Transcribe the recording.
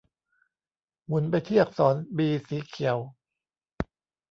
หมุนไปที่อักษรบีสีเขียว